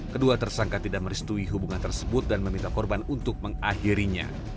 kedua tersangka tidak meristui hubungan tersebut dan meminta korban untuk mengakhirinya